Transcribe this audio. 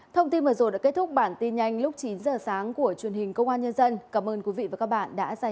thông tin mở rộ đã kết thúc bản tin nhanh lúc chín h sáng của truyền hình công an nhân dân cảm ơn quý vị và các bạn đã dành thời gian theo dõi